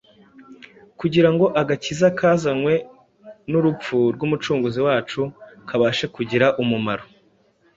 kugira ngo agakiza kazanywe n’urupfu rw’Umucunguzi wacu kabashe kugira umumaro.